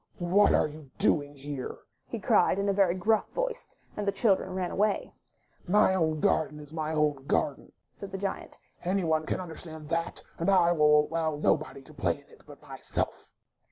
''What are you doing here?" he cried in a very gruff voice, and the children ran away. ''My own garden is my own garden,'* said the Giant; "any one can understand that, and I will allow nobody to play in it but myself."